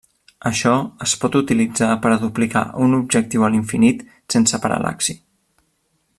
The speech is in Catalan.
Això es pot utilitzar per a duplicar un objectiu a l'infinit sense paral·laxi.